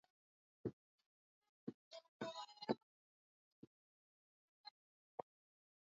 huko ndiko ambako alianzisha harakati zake za kukabiliana na wakoloni wa kijerumani